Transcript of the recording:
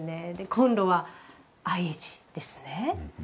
コンロはＩＨですね。